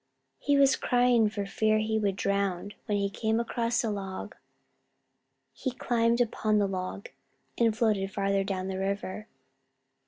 He was crying for fear he would drown when he came across a log. He climbed upon the log, and floated farther down the river.